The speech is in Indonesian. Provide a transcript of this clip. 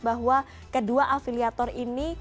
bahwa kedua afiliator ini